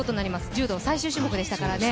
柔道最終種目でしたからね。